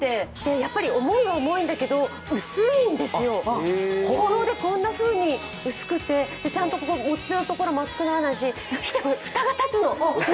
やっぱり重いは重いんだけど薄いんですよ、ホーローでこんなふうに薄くて、持ち手のところも熱くならないし蓋が立つの。